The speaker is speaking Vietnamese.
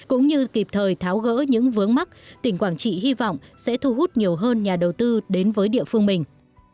cũng như kịp thời tháo gỡ những vướng mắt tỉnh quảng trị hy vọng sẽ thu hút nhiều hơn nhà đầu tư đến với địa phương mình